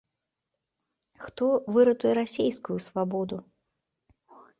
Хто выратуе расейскую свабоду?